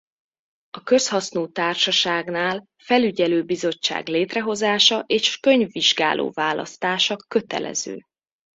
A közhasznú társaságnál felügyelő bizottság létrehozása és könyvvizsgáló választása kötelező.